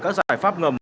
các giải pháp ngầm